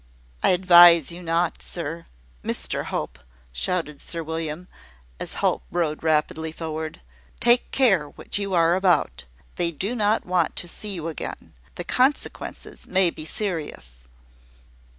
"I advise you not, sir. Mr Hope!" shouted Sir William, as Hope rode rapidly forward, "take care what you are about. They do not want to see you again. The consequences may be serious."